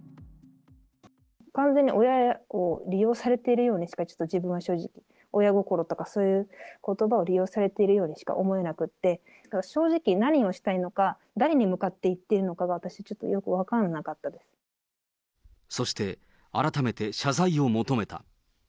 完全に親を利用されてるようにしか、ちょっと自分は正直、親心とかそういうことばを利用されてるようでしか思えなくて、ただ正直、何をしたいのか、誰に向かって言ってるのかが、私ちょっそして、改めて謝罪を求めた。